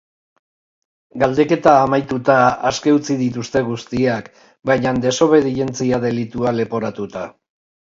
Galdeketa amaituta, aske utzi dituzte guztiak, baina desobedientzia delitua leporatuta.